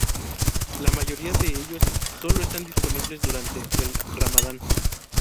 La mayoría de ellos sólo están disponibles durante el Ramadán.